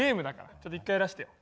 ちょっと一回やらしてよ。